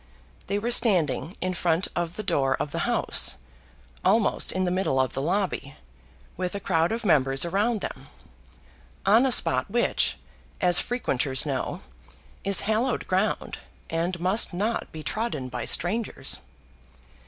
They were standing in front of the door of the House, almost in the middle of the lobby, with a crowd of members around them, on a spot which, as frequenters know, is hallowed ground, and must not be trodden by strangers.